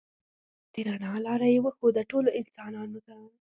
د رڼا لاره یې وښوده ټولو انسانانو ته.